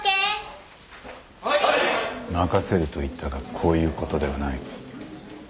任せると言ったがこういうことではない。